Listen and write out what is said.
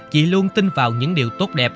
chị luôn tin vào những điều tốt đẹp